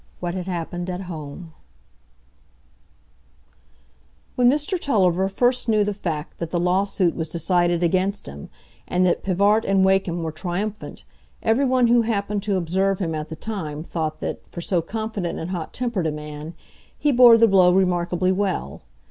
What Had Happened at Home When Mr Tulliver first knew the fact that the lawsuit was decided against him, and that Pivart and Wakem were triumphant, every one who happened to observe him at the time thought that, for so confident and hot tempered a man, he bore the blow remarkably well.